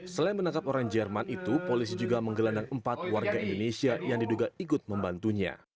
selain menangkap orang jerman itu polisi juga menggelandang empat warga indonesia yang diduga ikut membantunya